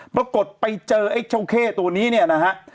ปรากฏไปเจอไอ้เจ้าเข้ตัวนี้เนี่ยนะฮะ